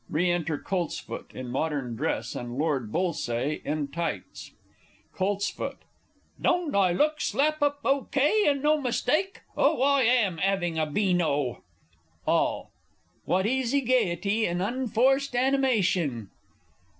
[Re enter COLTSFOOT in modern dress, and Lord B. in tights. Colts. Don't I look slap up O.K. and no mistake? Oh, I am 'aving a beano! All. What easy gaiety, and unforced animation!